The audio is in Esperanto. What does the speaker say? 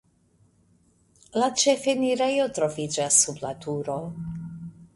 La ĉefenirejo troviĝas sub la turo.